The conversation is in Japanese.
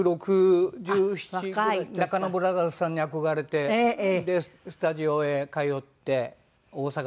中野ブラザーズさんに憧れてスタジオへ通って大阪でね。